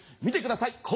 見てください